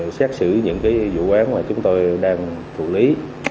thứ ba là điều tra nhanh chấm xét xử những vụ án mà chúng tôi đang thủ lý